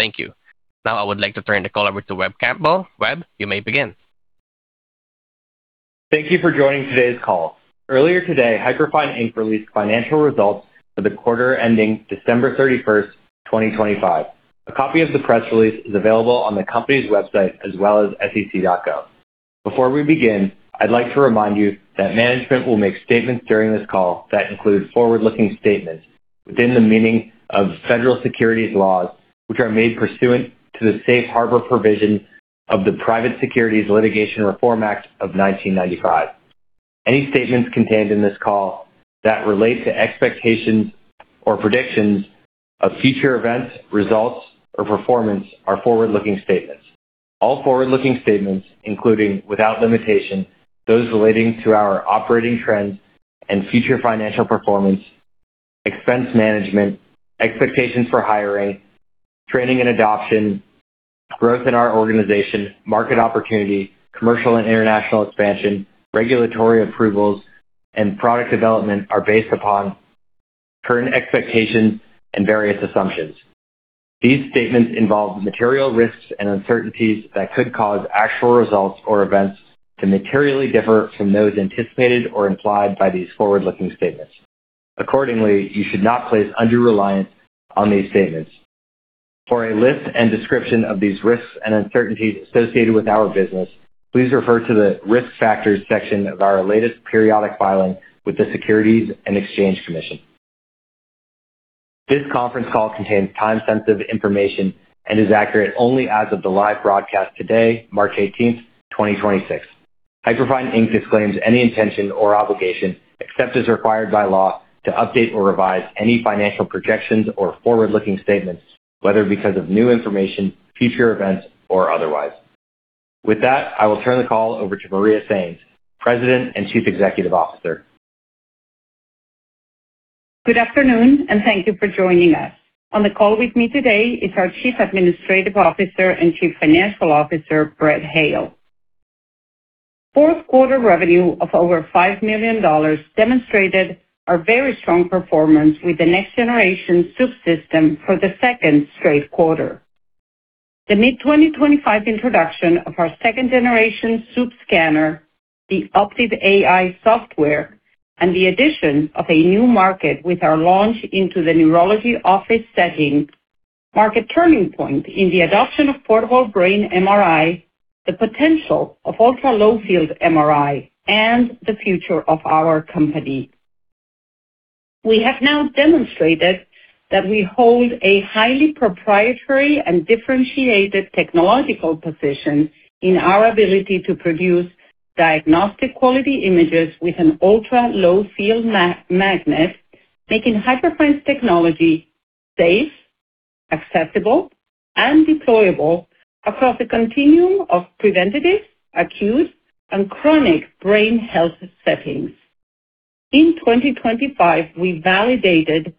Thank you. Now I would like to turn the call over to Webb Campbell. Webb, you may begin. Thank you for joining today's call. Earlier today, Hyperfine, Inc released financial results for the quarter ending December 31, 2025. A copy of the press release is available on the company's website as well as sec.gov. Before we begin, I'd like to remind you that management will make statements during this call that include forward-looking statements within the meaning of federal securities laws, which are made pursuant to the Safe Harbor provision of the Private Securities Litigation Reform Act of 1995. Any statements contained in this call that relate to expectations or predictions of future events, results, or performance are forward-looking statements. All forward-looking statements, including, without limitation, those relating to our operating trends and future financial performance, expense management, expectations for hiring, training and adoption, growth in our organization, market opportunity, commercial and international expansion, regulatory approvals, and product development are based upon current expectations and various assumptions. These statements involve material risks and uncertainties that could cause actual results or events to materially differ from those anticipated or implied by these forward-looking statements. Accordingly, you should not place undue reliance on these statements. For a list and description of these risks and uncertainties associated with our business, please refer to the Risk Factors section of our latest periodic filing with the Securities and Exchange Commission. This conference call contains time-sensitive information and is accurate only as of the live broadcast today, March 18, 2026. Hyperfine, Inc disclaims any intention or obligation, except as required by law, to update or revise any financial projections or forward-looking statements, whether because of new information, future events, or otherwise. With that, I will turn the call over to Maria Sainz, President and Chief Executive Officer. Good afternoon, and thank you for joining us. On the call with me today is our Chief Administrative Officer and Chief Financial Officer, Brett Hale. Fourth quarter revenue of over $5 million demonstrated our very strong performance with the next-generation Swoop system for the second straight quarter. The mid-2025 introduction of our second-generation Swoop scanner, the Optive AI software, and the addition of a new market with our launch into the neurology office setting market turning point in the adoption of portable brain MRI, the potential of ultra-low field MRI, and the future of our company. We have now demonstrated that we hold a highly proprietary and differentiated technological position in our ability to produce diagnostic quality images with an ultra-low field magnet, making Hyperfine's technology safe, accessible, and deployable across a continuum of preventative, acute, and chronic brain health settings. In 2025, we validated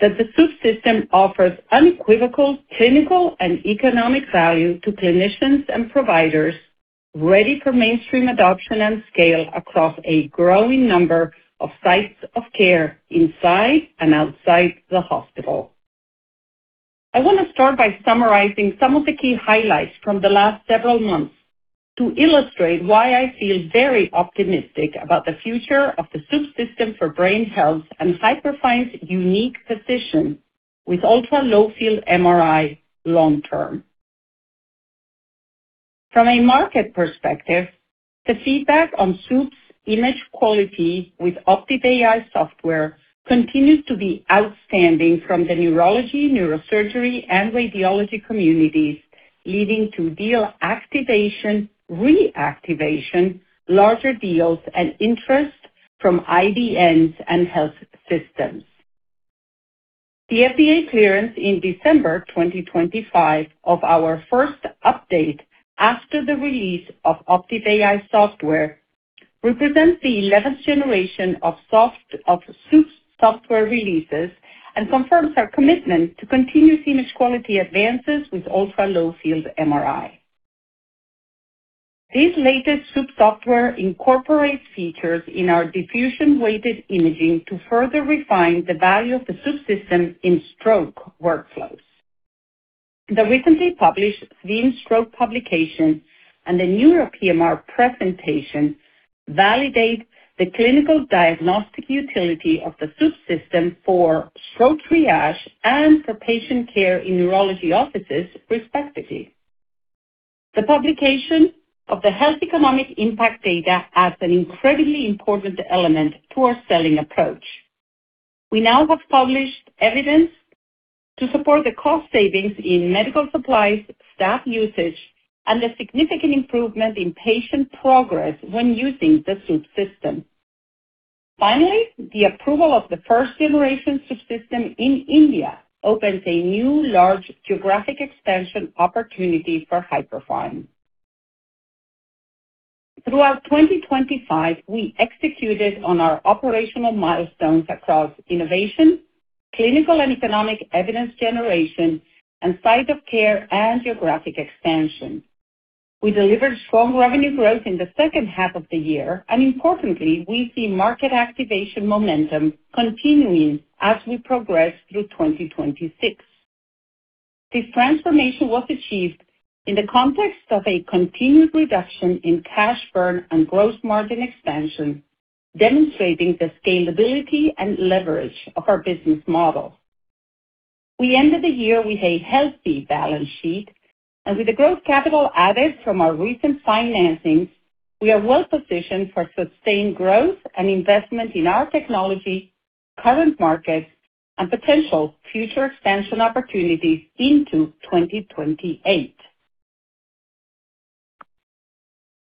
that the Swoop system offers unequivocal clinical and economic value to clinicians and providers ready for mainstream adoption and scale across a growing number of sites of care inside and outside the hospital. I want to start by summarizing some of the key highlights from the last several months to illustrate why I feel very optimistic about the future of the Swoop system for brain health and Hyperfine's unique position with ultra-low field MRI long term. From a market perspective, the feedback on Swoop's image quality with Optive AI software continues to be outstanding from the neurology, neurosurgery, and radiology communities, leading to deal activation, reactivation, larger deals, and interest from IDNs and health systems. The FDA clearance in December 2025 of our first update after the release of Optive AI software represents the eleventh generation of Swoop's software releases and confirms our commitment to continuous image quality advances with ultra-low field MRI. This latest Swoop software incorporates features in our diffusion-weighted imaging to further refine the value of the Swoop system in stroke workflows. The recently published VIN Stroke publication and the NEURO PMR presentation validate the clinical diagnostic utility of the Swoop system for stroke triage and for patient care in neurology offices, respectively. The publication of the health economic impact data adds an incredibly important element to our selling approach. We now have published evidence to support the cost savings in medical supplies, staff usage, and a significant improvement in patient progress when using the Swoop system. Finally, the approval of the first-generation Swoop system in India opens a new large geographic expansion opportunity for Hyperfine. Throughout 2025, we executed on our operational milestones across innovation, clinical and economic evidence generation, and site of care and geographic expansion. We delivered strong revenue growth in the second half of the year, and importantly, we see market activation momentum continuing as we progress through 2026. This transformation was achieved in the context of a continued reduction in cash burn and gross margin expansion, demonstrating the scalability and leverage of our business model. We ended the year with a healthy balance sheet and with the growth capital added from our recent financings, we are well positioned for sustained growth and investment in our technology, current markets, and potential future expansion opportunities into 2028.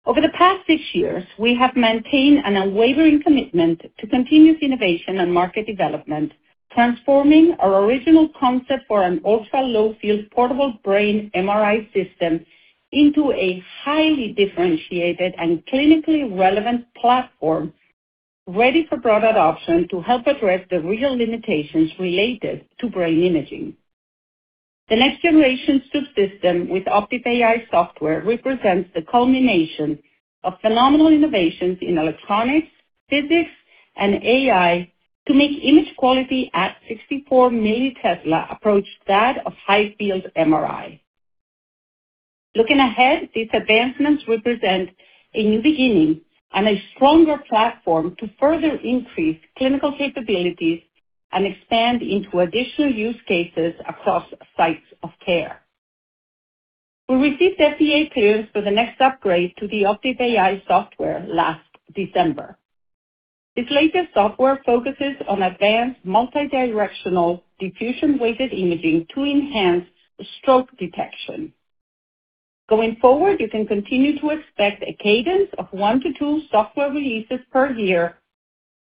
Over the past six years, we have maintained an unwavering commitment to continuous innovation and market development, transforming our original concept for an ultra-low field portable brain MRI system into a highly differentiated and clinically relevant platform ready for broad adoption to help address the real limitations related to brain imaging. The next-generation Swoop system with Optive AI software represents the culmination of phenomenal innovations in electronics, physics, and AI to make image quality at 64 millitesla approach that of high-field MRI. Looking ahead, these advancements represent a new beginning and a stronger platform to further increase clinical capabilities and expand into additional use cases across sites of care. We received FDA clearance for the next upgrade to the Optive AI software last December. This latest software focuses on advanced multi-directional diffusion-weighted imaging to enhance stroke detection. Going forward, you can continue to expect a cadence of one to two software releases per year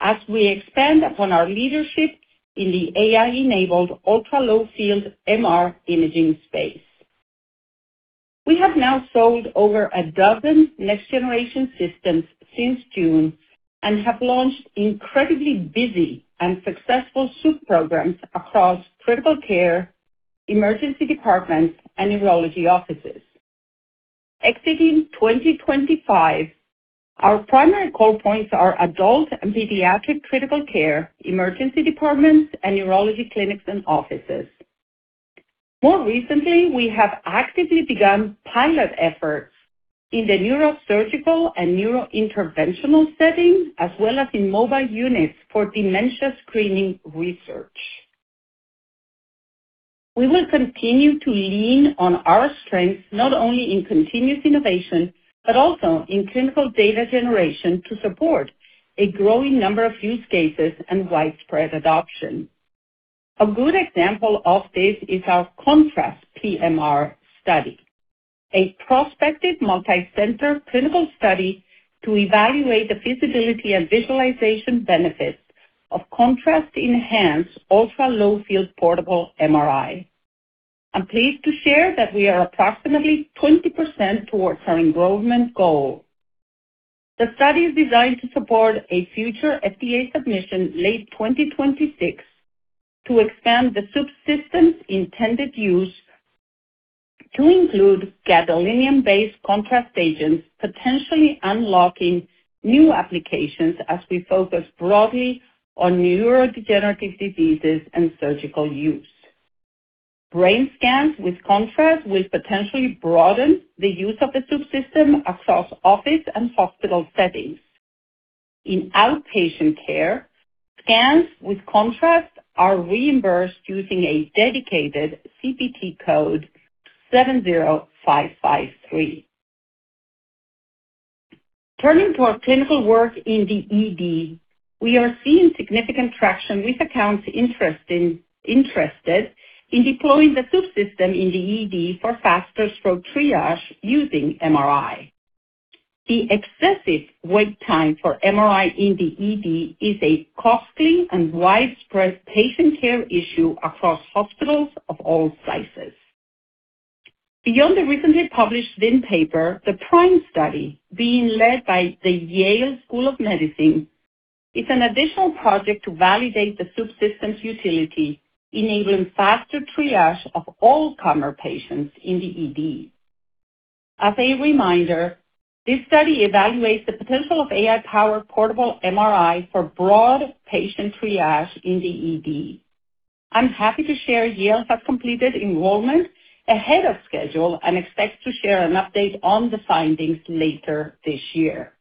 as we expand upon our leadership in the AI-enabled ultra-low field MR imaging space. We have now sold over a dozen next-generation systems since June and have launched incredibly busy and successful Swoop programs across critical care, emergency departments, and neurology offices. Exiting 2025, our primary call points are adult and pediatric critical care, emergency departments, and neurology clinics and offices. More recently, we have actively begun pilot efforts in the neurosurgical and neurointerventional setting, as well as in mobile units for dementia screening research. We will continue to lean on our strengths not only in continuous innovation, but also in clinical data generation to support a growing number of use cases and widespread adoption. A good example of this is our Contrast PMR study, a prospective multicenter clinical study to evaluate the feasibility and visualization benefits of contrast enhanced ultra-low field portable MRI. I'm pleased to share that we are approximately 20% towards our enrollment goal. The study is designed to support a future FDA submission late 2026 to expand the Swoop system's intended use to include gadolinium-based contrast agents, potentially unlocking new applications as we focus broadly on neurodegenerative diseases and surgical use. Brain scans with contrast will potentially broaden the use of the Swoop system across office and hospital settings. In outpatient care, scans with contrast are reimbursed using a dedicated CPT code 70553. Turning to our clinical work in the ED, we are seeing significant traction with accounts interested in deploying the Swoop system in the ED for faster stroke triage using MRI. The excessive wait time for MRI in the ED is a costly and widespread patient care issue across hospitals of all sizes. Beyond the recently published VIN paper, the PRIME study being led by the Yale School of Medicine is an additional project to validate the Swoop system's utility, enabling faster triage of all comer patients in the ED. As a reminder, this study evaluates the potential of AI-powered portable MRI for broad patient triage in the ED. I'm happy to share Yale has completed enrollment ahead of schedule and expects to share an update on the findings later this year.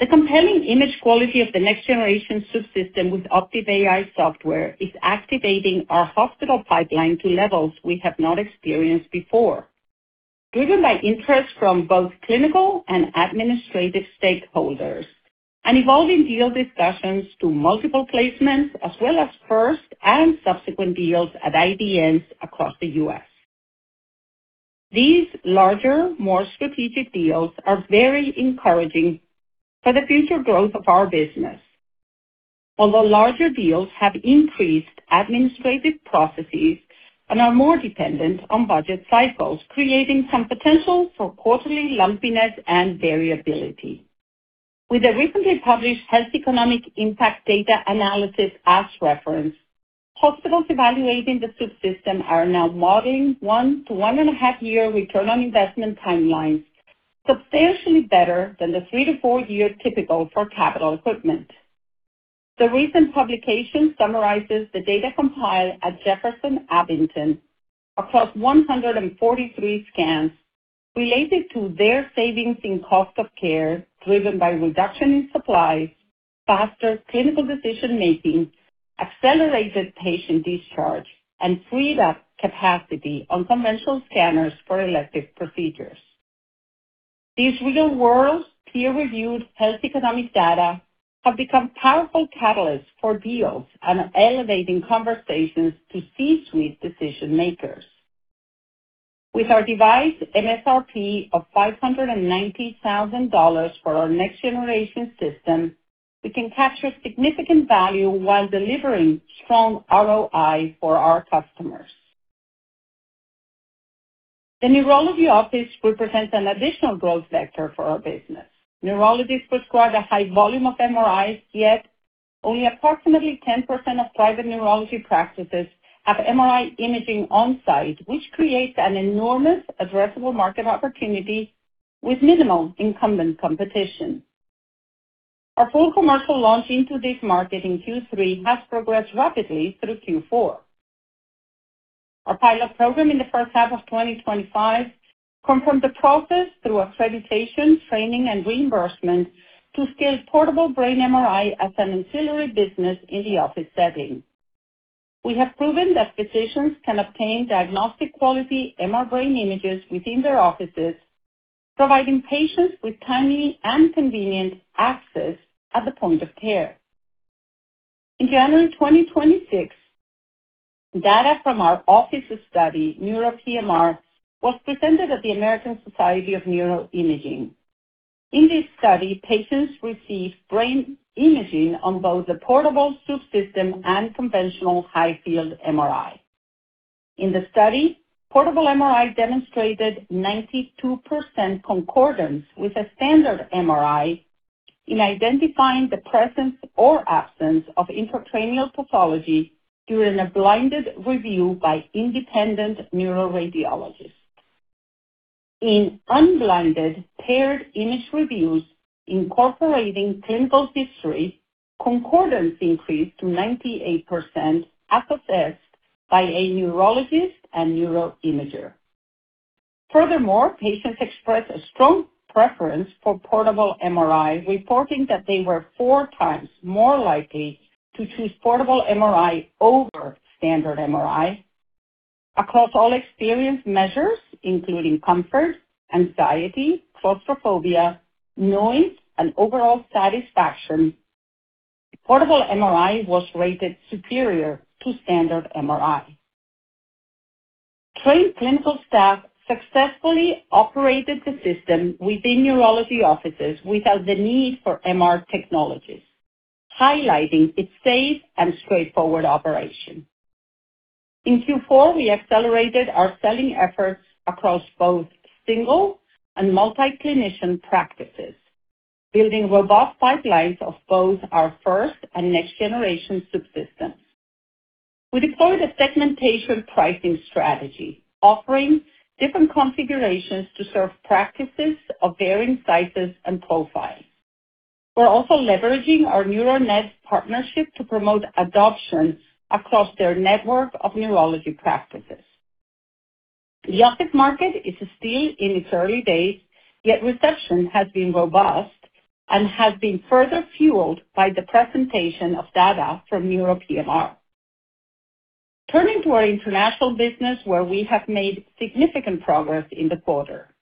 The compelling image quality of the next-generation Swoop system with Optive AI software is activating our hospital pipeline to levels we have not experienced before. Driven by interest from both clinical and administrative stakeholders and evolving deal discussions to multiple placements as well as first and subsequent deals at IDNs across the U.S. These larger, more strategic deals are very encouraging for the future growth of our business. Although larger deals have increased administrative processes and are more dependent on budget cycles, creating some potential for quarterly lumpiness and variability. With the recently published health economic impact data analysis as reference, hospitals evaluating the system are now modeling 1-1.5-year return on investment timelines, substantially better than the three-four years typical for capital equipment. The recent publication summarizes the data compiled at Jefferson Abington across 143 scans related to their savings in cost of care, driven by reduction in supplies, faster clinical decision-making, accelerated patient discharge, and freed up capacity on conventional scanners for elective procedures. These real-world, peer-reviewed health economic data have become powerful catalysts for deals and are elevating conversations to C-suite decision-makers. With our device MSRP of $590,000 for our next-generation system, we can capture significant value while delivering strong ROI for our customers. The neurology office represents an additional growth vector for our business. Neurologists prescribe a high volume of MRIs, yet only approximately 10% of private neurology practices have MRI imaging on-site, which creates an enormous addressable market opportunity with minimal incumbent competition. Our full commercial launch into this market in Q3 has progressed rapidly through Q4. Our pilot program in the first half of 2025 confirmed the process through accreditation, training, and reimbursement to scale portable brain MRI as an ancillary business in the office setting. We have proven that physicians can obtain diagnostic quality MR brain images within their offices, providing patients with timely and convenient access at the point of care. In January 2026, data from our offices study NEURO PMR was presented at the American Society of Neuroimaging. In this study, patients received brain imaging on both the portable Swoop system and conventional high-field MRI. In the study, portable MRI demonstrated 92% concordance with a standard MRI in identifying the presence or absence of intracranial pathology during a blinded review by independent neuroradiologists. In unblinded paired image reviews incorporating clinical history, concordance increased to 98% as assessed by a neurologist and neuroimager. Furthermore, patients expressed a strong preference for portable MRI, reporting that they were 4x more likely to choose portable MRI over standard MRI. Across all experience measures, including comfort, anxiety, claustrophobia, noise, and overall satisfaction, portable MRI was rated superior to standard MRI. Trained clinical staff successfully operated the system within neurology offices without the need for MR technologists, highlighting its safe and straightforward operation. In Q4, we accelerated our selling efforts across both single and multi-clinician practices, building robust pipelines of both our first- and next-generation Swoop systems. We deployed a segmentation pricing strategy, offering different configurations to serve practices of varying sizes and profiles. We're also leveraging our Neural Network partnership to promote adoption across their network of neurology practices. The office market is still in its early days, yet reception has been robust and has been further fueled by the presentation of data from NEURO PMR. Turning to our international business, where we have made significant progress in the quarter.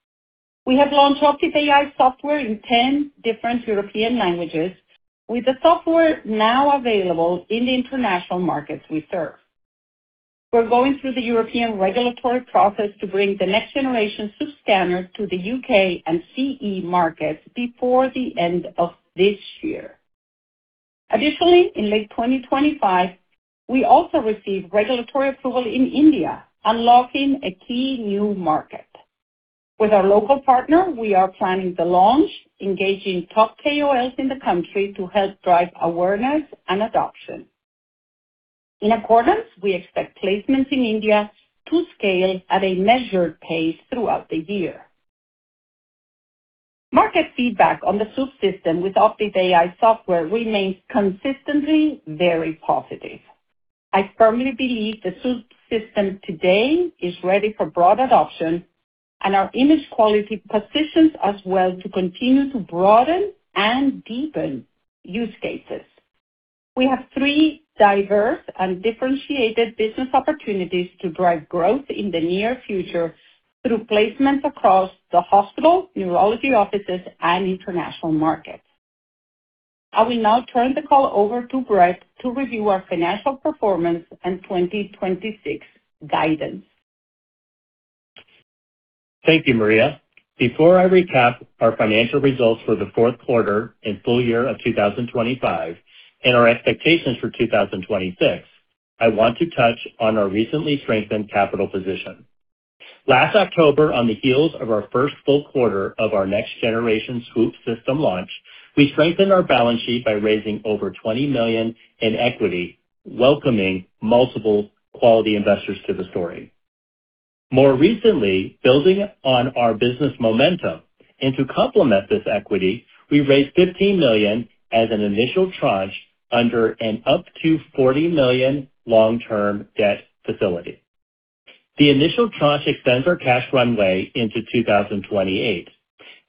We have launched Optive AI software in 10 different European languages, with the software now available in the international markets we serve. We're going through the European regulatory process to bring the next-generation Swoop scanner to the U.K. and CE markets before the end of this year. Additionally, in late 2025, we also received regulatory approval in India, unlocking a key new market. With our local partner, we are planning the launch, engaging top KOLs in the country to help drive awareness and adoption. In accordance, we expect placements in India to scale at a measured pace throughout the year. Market feedback on the Swoop system with Optive AI software remains consistently very positive. I firmly believe the Swoop system today is ready for broad adoption, and our image quality positions us well to continue to broaden and deepen use cases. We have three diverse and differentiated business opportunities to drive growth in the near future through placements across the hospital, neurology offices, and international markets. I will now turn the call over to Brett to review our financial performance and 2026 guidance. Thank you, Maria. Before I recap our financial results for the fourth quarter and full year of 2025 and our expectations for 2026, I want to touch on our recently strengthened capital position. Last October, on the heels of our first full quarter of our next-generation Swoop system launch, we strengthened our balance sheet by raising over $20 million in equity, welcoming multiple quality investors to the story. More recently, building on our business momentum and to complement this equity, we raised $15 million as an initial tranche under an up to $40 million long-term debt facility. The initial tranche extends our cash runway into 2028,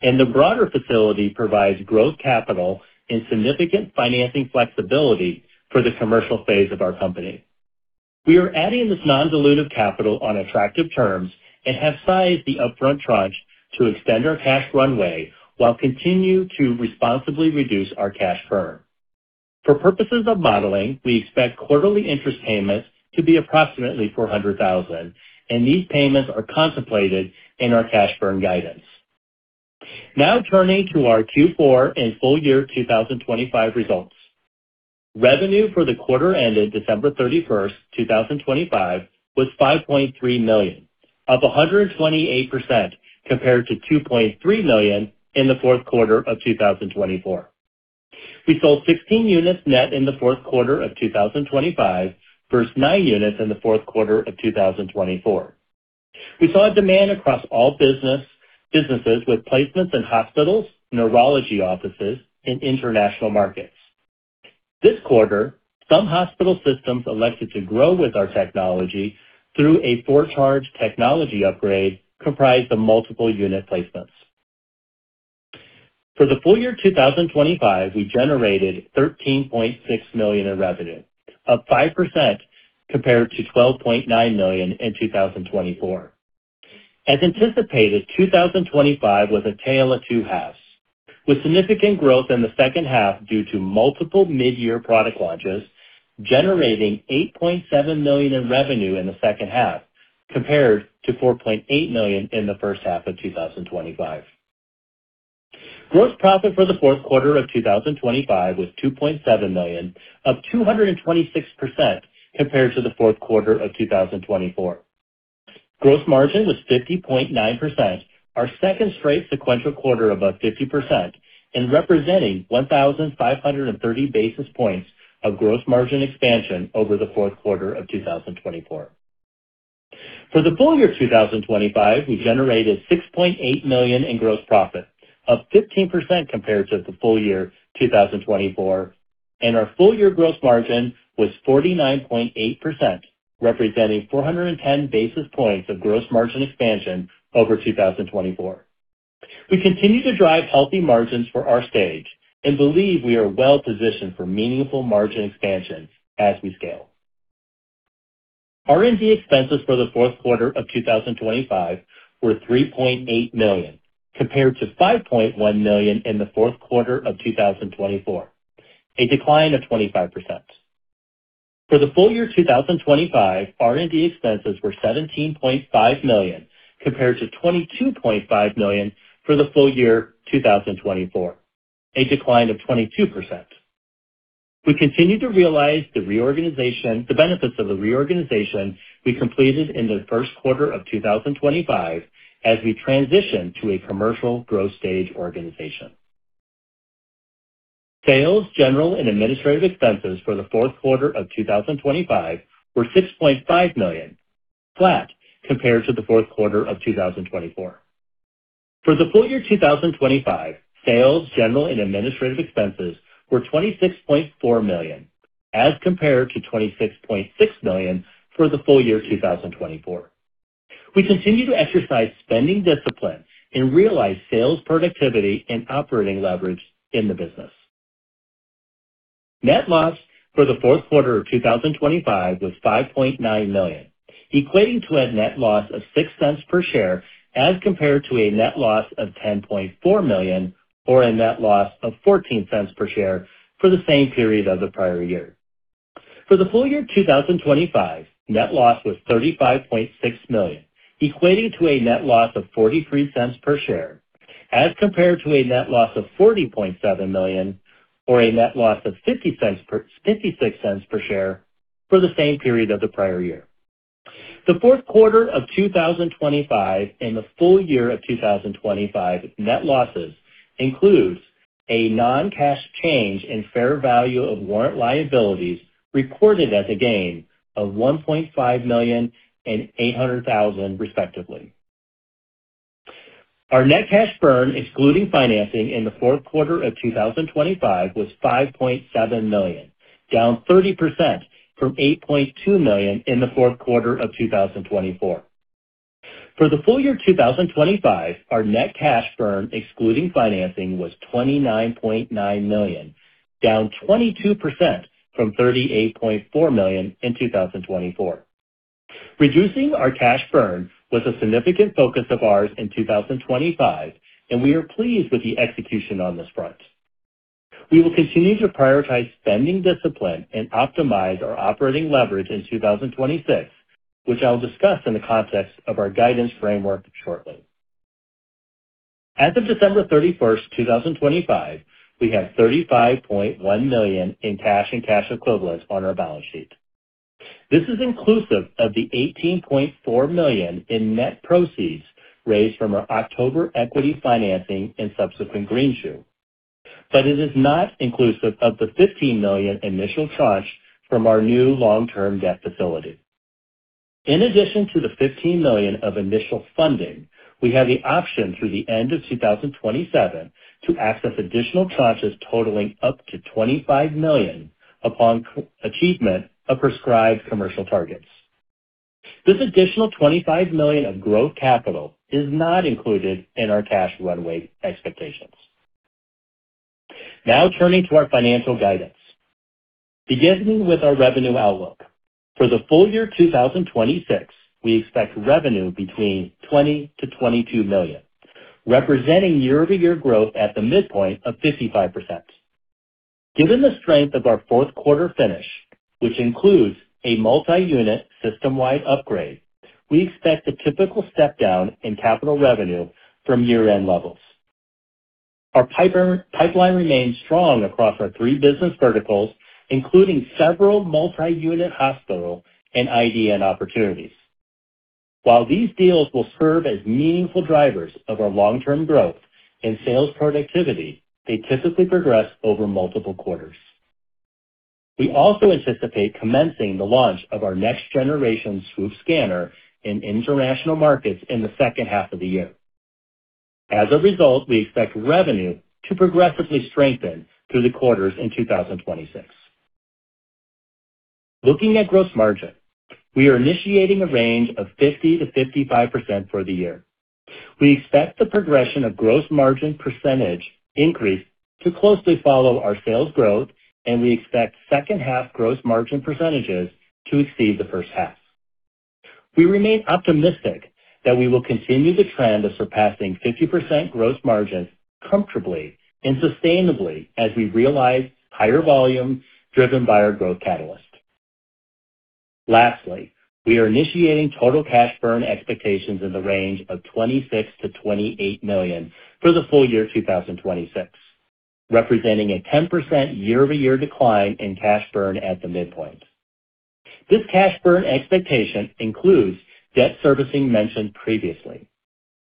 and the broader facility provides growth capital and significant financing flexibility for the commercial phase of our company. We are adding this non-dilutive capital on attractive terms and have sized the upfront tranche to extend our cash runway while continue to responsibly reduce our cash burn. For purposes of modeling, we expect quarterly interest payments to be approximately $400,000, and these payments are contemplated in our cash burn guidance. Now turning to our Q4 and full year 2025 results. Revenue for the quarter ended December 31, 2025 was $5.3 million, up 128% compared to $2.3 million in the fourth quarter of 2024. We sold 16 units net in the fourth quarter of 2025 versus nine units in the fourth quarter of 2024. We saw demand across all businesses with placements in hospitals, neurology offices, and international markets. This quarter, some hospital systems elected to grow with our technology through a for-charge technology upgrade comprised of multiple unit placements. For the full year 2025, we generated $13.6 million in revenue, up 5% compared to $12.9 million in 2024. As anticipated, 2025 was a tale of two halves, with significant growth in the second half due to multiple mid-year product launches, generating $8.7 million in revenue in the second half compared to $4.8 million in the first half of 2025. Gross profit for the fourth quarter of 2025 was $2.7 million, up 226% compared to the fourth quarter of 2024. Gross margin was 50.9%, our second straight sequential quarter above 50% and representing 1,530 basis points of gross margin expansion over the fourth quarter of 2024. For the full year 2025, we generated $6.8 million in gross profit, up 15% compared to the full year 2024, and our full-year gross margin was 49.8%, representing 410 basis points of gross margin expansion over 2024. We continue to drive healthy margins for our stage and believe we are well positioned for meaningful margin expansion as we scale. R&D expenses for the fourth quarter of 2025 were $3.8 million, compared to $5.1 million in the fourth quarter of 2024, a decline of 25%. For the full year 2025, R&D expenses were $17.5 million, compared to $22.5 million for the full year 2024, a decline of 22%. We continue to realize the benefits of the reorganization we completed in the first quarter of 2025 as we transition to a commercial growth stage organization. Sales, general and administrative expenses for the fourth quarter of 2025 were $6.5 million, flat compared to the fourth quarter of 2024. For the full year 2025, sales, general and administrative expenses were $26.4 million as compared to $26.6 million for the full year 2024. We continue to exercise spending discipline and realize sales productivity and operating leverage in the business. Net loss for the fourth quarter of 2025 was $5.9 million, equating to a net loss of $0.06 per share as compared to a net loss of $10.4 million or a net loss of $0.14 per share for the same period of the prior year. For the full year 2025, net loss was $35.6 million, equating to a net loss of $0.43 per share as compared to a net loss of $40.7 million or a net loss of $0.56 per share for the same period of the prior year. The fourth quarter of 2025 and the full year of 2025 net losses includes a non-cash change in fair value of warrant liabilities, reported as a gain of $1.5 million and $800,000 respectively. Our net cash burn, excluding financing in the fourth quarter of 2025, was $5.7 million, down 30% from $8.2 million in the fourth quarter of 2024. For the full year 2025, our net cash burn, excluding financing, was $29.9 million, down 22% from $38.4 million in 2024. Reducing our cash burn was a significant focus of ours in 2025, and we are pleased with the execution on this front. We will continue to prioritize spending discipline and optimize our operating leverage in 2026, which I'll discuss in the context of our guidance framework shortly. As of December 31st, 2025, we have $35.1 million in cash and cash equivalents on our balance sheet. This is inclusive of the $18.4 million in net proceeds raised from our October equity financing and subsequent greenshoe, but it is not inclusive of the $15 million initial tranche from our new long-term debt facility. In addition to the $15 million of initial funding, we have the option through the end of 2027 to access additional tranches totaling up to $25 million upon achievement of prescribed commercial targets. This additional $25 million of growth capital is not included in our cash runway expectations. Now turning to our financial guidance. Beginning with our revenue outlook. For the full year 2026, we expect revenue between $20 million-$22 million, representing year-over-year growth at the midpoint of 55%. Given the strength of our fourth quarter finish, which includes a multi-unit system-wide upgrade, we expect a typical step down in capital revenue from year-end levels. Our pipeline remains strong across our three business verticals, including several multi-unit hospital and IDN opportunities. While these deals will serve as meaningful drivers of our long-term growth and sales productivity, they typically progress over multiple quarters. We also anticipate commencing the launch of our next generation Swoop scanner in international markets in the second half of the year. As a result, we expect revenue to progressively strengthen through the quarters in 2026. Looking at gross margin, we are initiating a range of 50%-55% for the year. We expect the progression of gross margin percentage increase to closely follow our sales growth, and we expect second half gross margin percentages to exceed the first half. We remain optimistic that we will continue the trend of surpassing 50% gross margins comfortably and sustainably as we realize higher volume driven by our growth catalyst. Lastly, we are initiating total cash burn expectations in the range of $26 million-$28 million for the full year 2026, representing a 10% year-over-year decline in cash burn at the midpoint. This cash burn expectation includes debt servicing mentioned previously.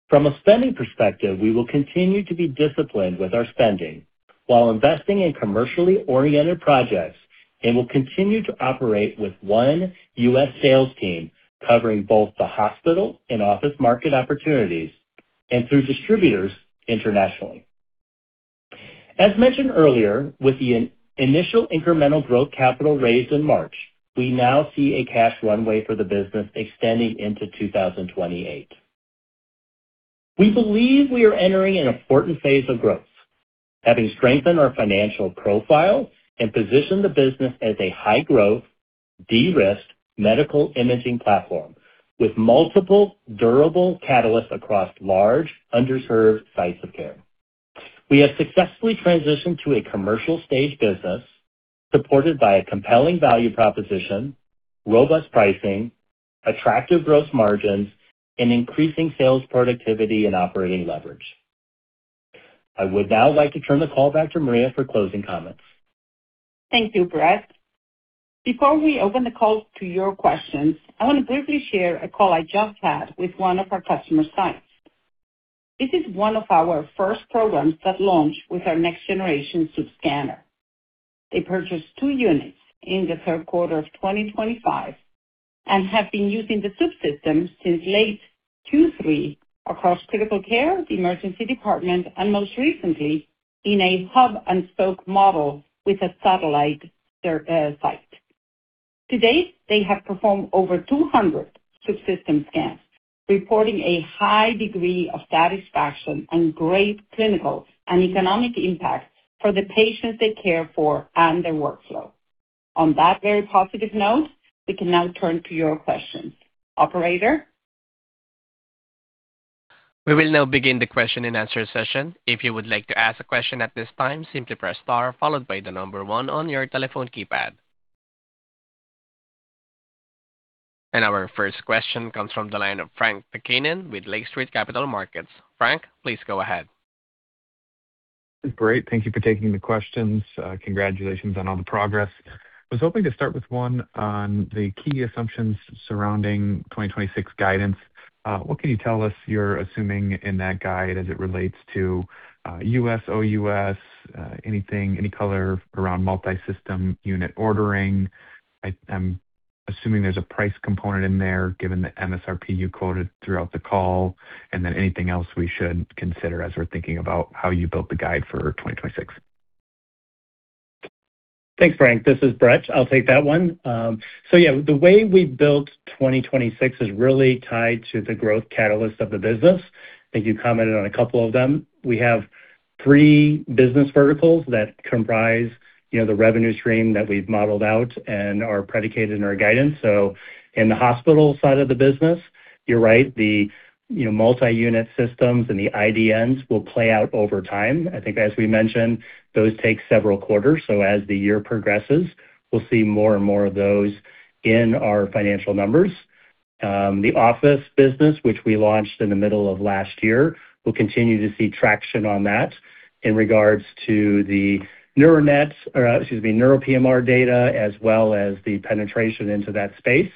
From a spending perspective, we will continue to be disciplined with our spending while investing in commercially oriented projects, and we'll continue to operate with one U.S. sales team covering both the hospital and office market opportunities and through distributors internationally. As mentioned earlier, with the initial incremental growth capital raised in March, we now see a cash runway for the business extending into 2028. We believe we are entering an important phase of growth, having strengthened our financial profile and positioned the business as a high-growth, de-risked medical imaging platform with multiple durable catalysts across large underserved sites of care. We have successfully transitioned to a commercial stage business supported by a compelling value proposition, robust pricing, attractive gross margins, and increasing sales productivity and operating leverage. I would now like to turn the call back to Maria for closing comments. Thank you, Brett. Before we open the call to your questions, I want to briefly share a call I just had with one of our customer sites. This is one of our first programs that launched with our next generation Swoop scanner. They purchased two units in the third quarter of 2025 and have been using the Swoop systems since late 2023 across critical care, the emergency department, and most recently in a hub and spoke model with a satellite site. To date, they have performed over 200 Swoop system scans, reporting a high degree of satisfaction and great clinical and economic impact for the patients they care for and their workflow. On that very positive note, we can now turn to your questions. Operator? We will now begin the question and answer session. If you would like to ask a question at this time, simply press star followed by the number one on your telephone keypad. Our first question comes from the line of Frank Takkinen with Lake Street Capital Markets. Frank, please go ahead. Great. Thank you for taking the questions. Congratulations on all the progress. I was hoping to start with one on the key assumptions surrounding 2026 guidance. What can you tell us you're assuming in that guide as it relates to U.S., OUS, anything, any color around multi-system unit ordering? I'm assuming there's a price component in there given the MSRP you quoted throughout the call. Anything else we should consider as we're thinking about how you built the guide for 2026. Thanks, Frank. This is Brett. I'll take that one. The way we built 2026 is really tied to the growth catalyst of the business. I think you commented on a couple of them. We have three business verticals that comprise, you know, the revenue stream that we've modeled out and are predicated in our guidance. In the hospital side of the business, you're right, the, you know, multi-unit systems and the IDNs will play out over time. I think as we mentioned, those take several quarters, so as the year progresses, we'll see more and more of those in our financial numbers. The office business, which we launched in the middle of last year, we'll continue to see traction on that in regards to the Neural Nets-- or, excuse me, NEURO PMR data as well as the penetration into that space.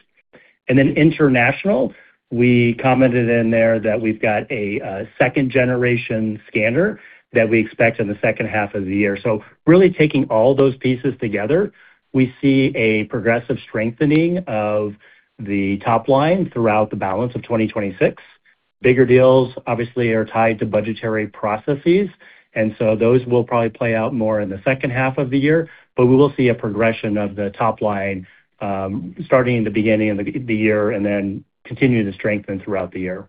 International, we commented in there that we've got a second generation scanner that we expect in the second half of the year. Really taking all those pieces together, we see a progressive strengthening of the top line throughout the balance of 2026. Bigger deals obviously are tied to budgetary processes, and so those will probably play out more in the second half of the year. We will see a progression of the top line, starting in the beginning of the year and then continue to strengthen throughout the year.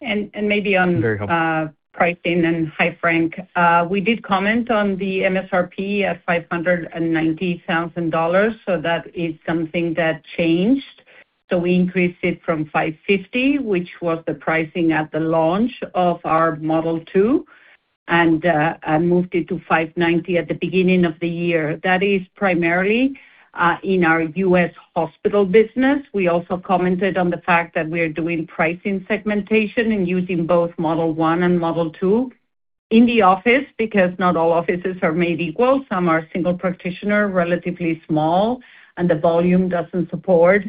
Very helpful. Maybe on pricing and hi, Frank. We did comment on the MSRP at $590,000, so that is something that changed. We increased it from $550, which was the pricing at the launch of our Model 2, and moved it to $590 at the beginning of the year. That is primarily in our U.S. hospital business. We also commented on the fact that we are doing pricing segmentation and using both Model 1 and Model 2 in the office because not all offices are made equal. Some are single practitioner, relatively small, and the volume doesn't support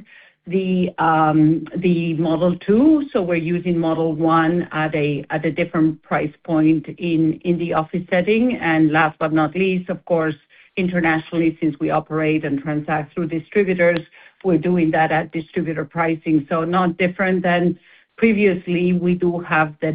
the Model 2. We're using Model 1 at a different price point in the office setting. Last but not least, of course, internationally, since we operate and transact through distributors, we're doing that at distributor pricing. Not different than previously. We do have the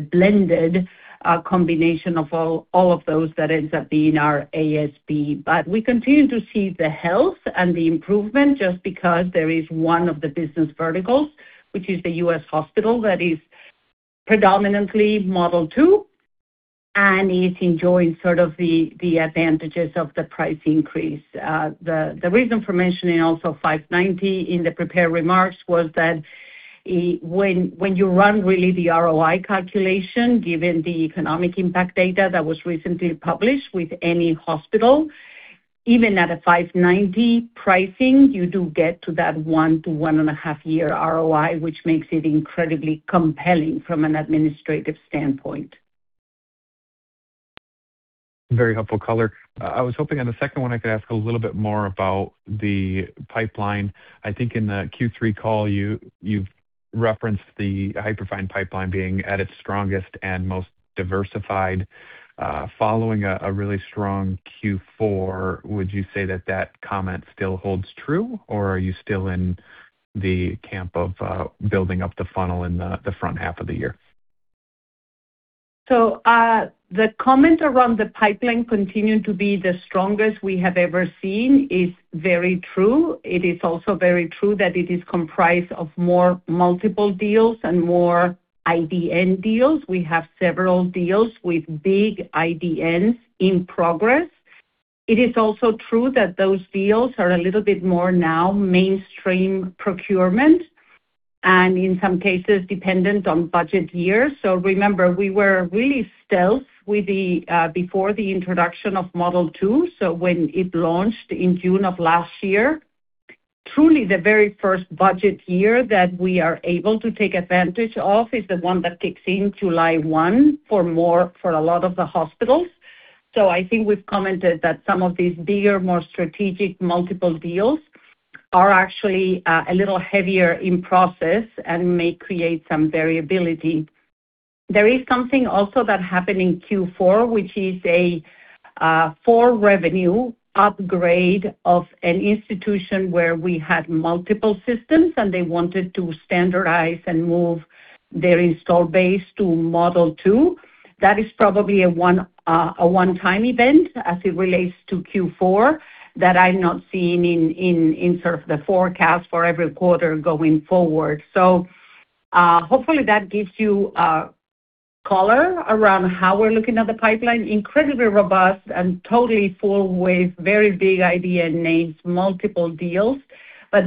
blended combination of all of those that ends up being our ASP. We continue to see the health and the improvement just because there is one of the business verticals, which is the U.S. hospital that is predominantly Model 2, and is enjoying the advantages of the price increase. The reason for mentioning also $590 in the prepared remarks was that when you run the ROI calculation, given the economic impact data that was recently published with any hospital, even at a $590 pricing, you do get to that 1-1.5-year ROI, which makes it incredibly compelling from an administrative standpoint. Very helpful color. I was hoping on the second one, I could ask a little bit more about the pipeline. I think in the Q3 call you've referenced the Hyperfine pipeline being at its strongest and most diversified, following a really strong Q4. Would you say that comment still holds true, or are you still in the camp of building up the funnel in the front half of the year? The comment around the pipeline continuing to be the strongest we have ever seen is very true. It is also very true that it is comprised of more multiple deals and more IDN deals. We have several deals with big IDNs in progress. It is also true that those deals are a little bit more now mainstream procurement and in some cases dependent on budget year. Remember, we were really stealth with the before the introduction of Model 2. When it launched in June of last year, truly the very first budget year that we are able to take advantage of is the one that kicks in July 1 for a lot of the hospitals. I think we've commented that some of these bigger, more strategic multiple deals are actually a little heavier in process and may create some variability. There is something also that happened in Q4, which is a full revenue upgrade of an institution where we had multiple systems and they wanted to standardize and move their install base to Model 2. That is probably a one-time event as it relates to Q4 that I'm not seeing in sort of the forecast for every quarter going forward. Hopefully that gives you color around how we're looking at the pipeline. Incredibly robust and totally full with very big IDN names, multiple deals.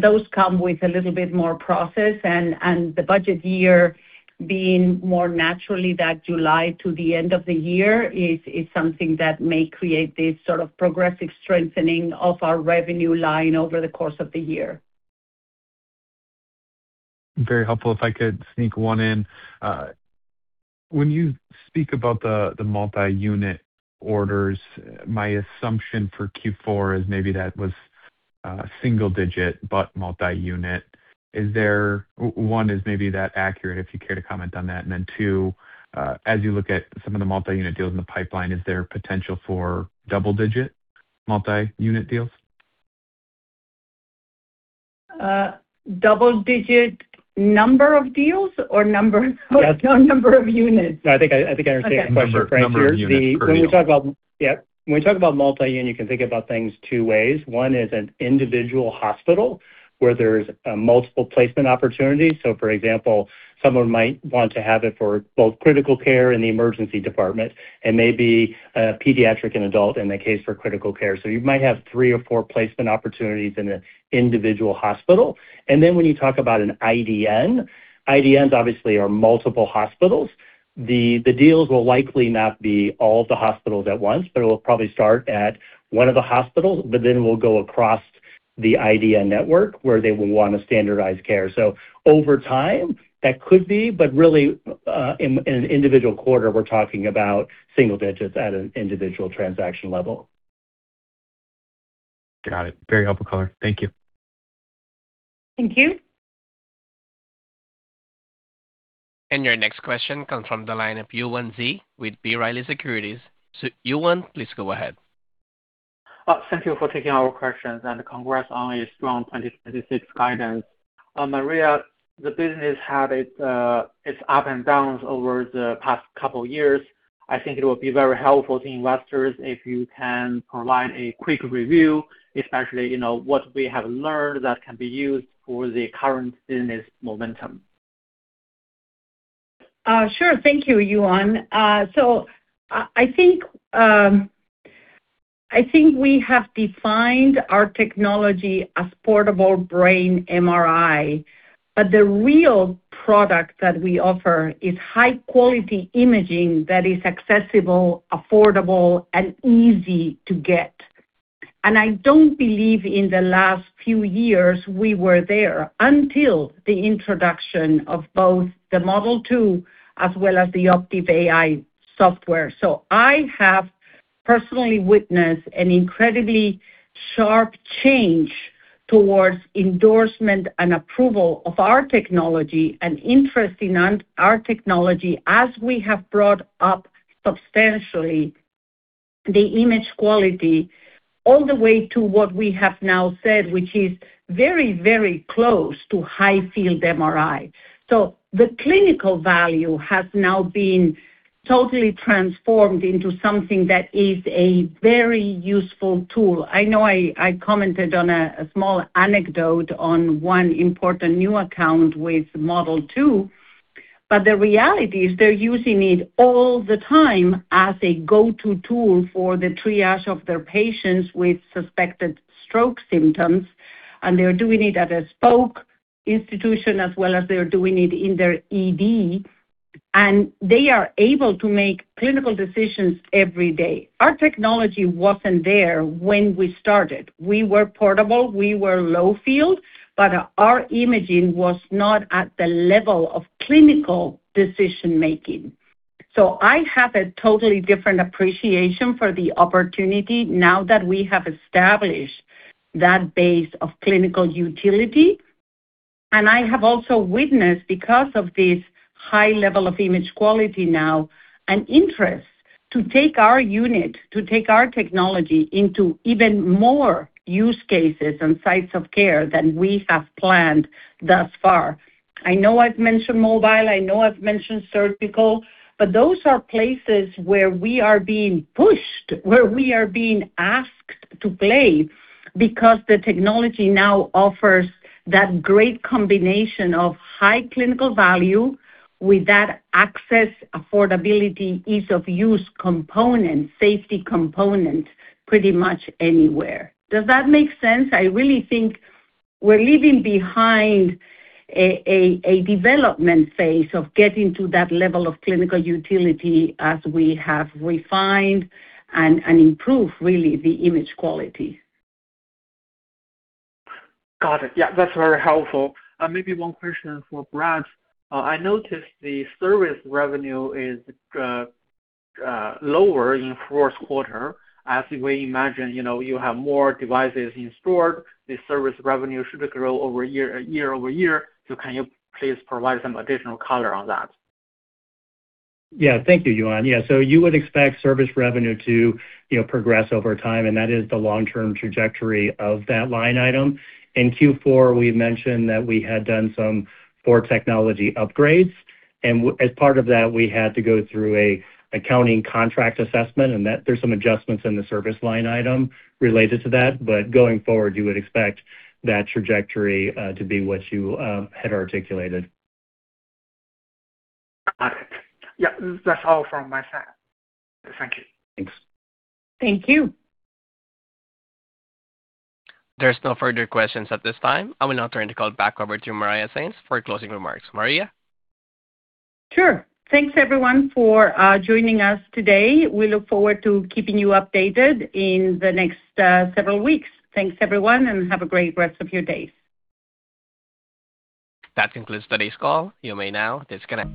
Those come with a little bit more process and the budget year being more naturally that July to the end of the year is something that may create this sort of progressive strengthening of our revenue line over the course of the year. Very helpful. If I could sneak one in. When you speak about the multi-unit orders, my assumption for Q4 is maybe that was single-digit, but multi-unit. One, is that accurate, if you care to comment on that? Two, as you look at some of the multi-unit deals in the pipeline, is there potential for double-digit multi-unit deals? Double-digit number of deals or number of units? No, I think I understand the question, Frank-- Number of units per deal. When we talk about multi-unit, you can think about things two ways. One is an individual hospital where there's multiple placement opportunities. For example, someone might want to have it for both critical care in the emergency department and maybe pediatric and adult in the case for critical care. You might have three or four placement opportunities in an individual hospital. When you talk about an IDN, IDNs obviously are multiple hospitals. The deals will likely not be all the hospitals at once, but it will probably start at one of the hospitals, but then we'll go across the IDN network where they will want to standardize care. Over time, that could be. Really, in an individual quarter, we're talking about single digits at an individual transaction level. Got it. Very helpful color. Thank you. Thank you. Your next question comes from the line of Yuan Zhi with B. Riley Securities. Yuan, please go ahead. Thank you for taking our questions, and congrats on a strong 2026 guidance. Maria, the business had its ups and downs over the past couple years. I think it would be very helpful to investors if you can provide a quick review, especially, you know, what we have learned that can be used for the current business momentum. Sure. Thank you, Yuan. I think we have defined our technology as portable brain MRI, but the real product that we offer is high-quality imaging that is accessible, affordable, and easy to get. I don't believe in the last few years we were there until the introduction of both the Model 2 as well as the Optive AI software. I have personally witnessed an incredibly sharp change towards endorsement and approval of our technology and interest in our technology as we have brought up substantially the image quality all the way to what we have now said, which is very, very close to high-field MRI. The clinical value has now been totally transformed into something that is a very useful tool. I know I commented on a small anecdote on one important new account with Model 2, but the reality is they're using it all the time as a go-to tool for the triage of their patients with suspected stroke symptoms, and they're doing it at a spoke institution as well as they're doing it in their ED, and they are able to make clinical decisions every day. Our technology wasn't there when we started. We were portable, we were low field, but our imaging was not at the level of clinical decision-making. I have a totally different appreciation for the opportunity now that we have established that base of clinical utility. I have also witnessed, because of this high level of image quality now, an interest to take our unit, to take our technology into even more use cases and sites of care than we have planned thus far. I know I've mentioned mobile, I know I've mentioned surgical, but those are places where we are being pushed, where we are being asked to play because the technology now offers that great combination of high clinical value with that access, affordability, ease of use component, safety component pretty much anywhere. Does that make sense? I really think we're leaving behind a development phase of getting to that level of clinical utility as we have refined and improved really the image quality. Got it. Yeah, that's very helpful. Maybe one question for Brett. I noticed the service revenue is lower in fourth quarter. As we imagine, you know, you have more devices installed, the service revenue should grow year-over-year. Can you please provide some additional color on that? Yeah. Thank you, Yuan. Yeah, so you would expect service revenue to, you know, progress over time, and that is the long-term trajectory of that line item. In Q4, we mentioned that we had done some core technology upgrades, and as part of that, we had to go through an accounting contract assessment and that there's some adjustments in the service line item related to that. But going forward, you would expect that trajectory to be what you had articulated. Got it. Yeah. That's all from my side. Thank you. Thanks. Thank you. There's no further questions at this time. I will now turn the call back over to Maria Sainz for closing remarks. Maria? Sure. Thanks everyone for joining us today. We look forward to keeping you updated in the next several weeks. Thanks everyone, and have a great rest of your days. That concludes today's call. You may now disconnect.